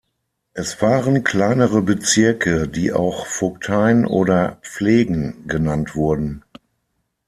Es waren kleinere Bezirke, die auch Vogteien oder Pflegen genannt wurden.